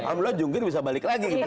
alhamdulillah jungkir bisa balik lagi gitu